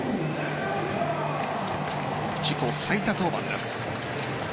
自己最多登板です。